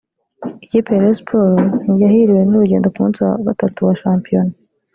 Ikipe ya Rayon Sports ntiyahiriwe n’urugendo ku munsi wa Gatatu wa shampiyona